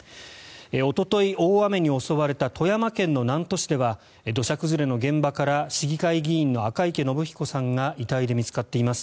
おととい大雨に襲われた富山県の南砺市では土砂崩れの現場から市議会議員の赤池信彦さんが遺体で見つかっています。